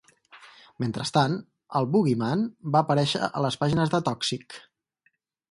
Mentrestant, el "Bogie Man" va aparèixer a les pàgines de "Tòxic!"